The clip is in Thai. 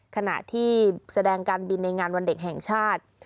ขณะที่แสดงการบินในงานวันเด็กแห่งชาติ